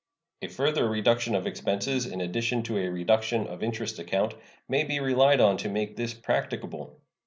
A further reduction of expenses, in addition to a reduction of interest account, may be relied on to make this practicable.